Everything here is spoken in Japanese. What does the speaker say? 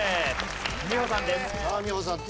美穂さんです。